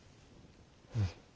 うん。